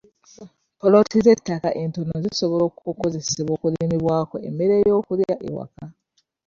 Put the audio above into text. Poloti z'ettaka entono zisobola okukozesebwa okulimibwako emmere y'okulya ewaka.